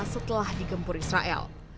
setelah digempur israel